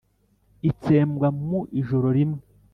itsembwa mu ijoro rimwe!